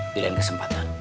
di lain kesempatan